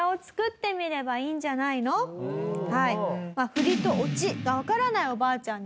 フリとオチがわからないおばあちゃんにですね